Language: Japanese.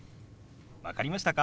分かりましたか？